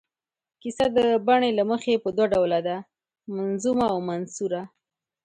کیسه د بڼې له مخې په دوه ډوله ده، منظومه او منثوره.